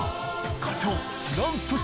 課長）